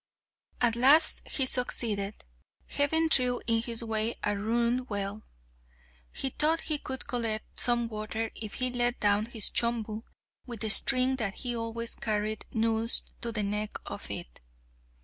At last he succeeded; heaven threw in his way a ruined well. He thought he could collect some water if he let down his chombu with the string that he always carried noosed to the neck of it.